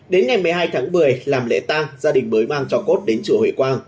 đến ngày một mươi hai tháng một mươi làm lễ tang gia đình mới mang cho cốt đến chùa huệ quang